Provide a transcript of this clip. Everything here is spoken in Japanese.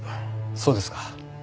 そうですか。